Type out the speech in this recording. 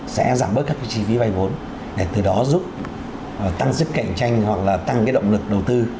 sẽ giảm bớt các chi phí vay vốn để từ đó giúp tăng dứt cạnh tranh hoặc là tăng động lực đầu tư